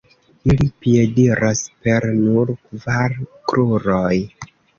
Ili piediras per nur kvar kruroj.